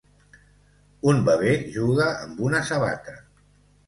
Un bebè juga amb una sabata.